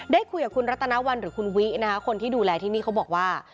ได้คุยกับคุณรัตนวัลหรือคุณวินะคะคนที่ดูแลที่นี่เขาบอกว่า